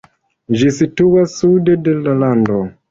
Ĝi situas sude de la lando.